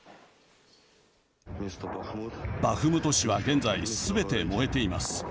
バフムト市は現在すべて燃えています。